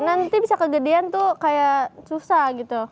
nanti bisa kegedian tuh kayak susah gitu